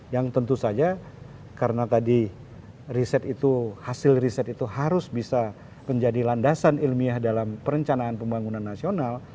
yang tentu saja karena tadi riset itu hasil riset itu harus bisa menjadi landasan ilmiah dalam perencanaan pembangunan nasional